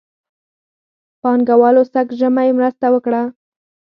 پانګهوالو سږ ژمی مرسته وکړه.